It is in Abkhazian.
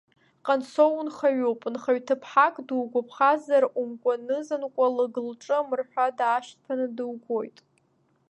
Ҟансоу, унхаҩуп, нхаҩ ҭыԥҳак дугәаԥхазар, умкәанызанкәа лыг-лҿы амырҳәа даашьҭԥааны дугоит.